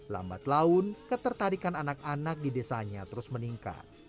lambat laun ketertarikan anak anak di desanya terus meningkat